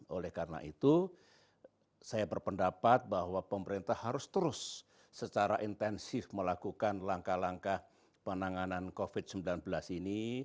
oleh karena itu saya berpendapat bahwa pemerintah harus terus secara intensif melakukan langkah langkah penanganan covid sembilan belas ini